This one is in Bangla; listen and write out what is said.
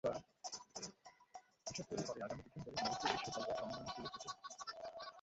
হিসাব তৈরি করে আগামী ডিসেম্বরে মরক্কো বিশ্ব জলবায়ু সম্মেলনে তুলে ধরতে হবে।